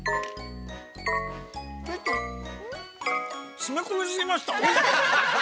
◆詰め込みすぎました。